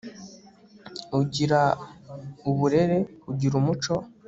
ugira uburere, ugira umuco